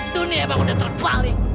dunia emang udah terbalik